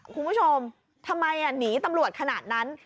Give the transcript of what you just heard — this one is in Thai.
คุณผู้ชมทำไมหนีตำรวจขนาดนั้น